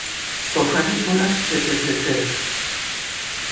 سخن پر از تته پته